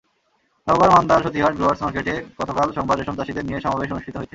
নওগাঁর মান্দার সতীহাট গ্রোয়ার্স মার্কেটে গতকাল সোমবার রেশমচাষিদের নিয়ে সমাবেশ অনুষ্ঠিত হয়েছে।